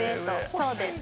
そうです。